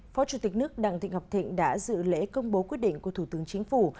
phó chủ tịch nước đặng thị ngọc thịnh đã dự lễ công bố quyết định của thủ tướng chính phủ